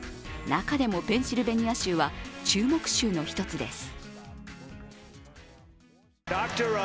中でもペンシルベニア州は注目州の１つです。